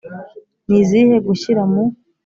ni izihe Gushyira mu